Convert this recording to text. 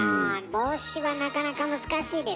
帽子はなかなか難しいですね。